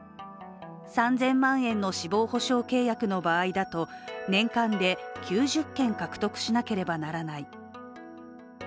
３０００万円の死亡保障契約の場合だと年間で９０件獲得しなければならない。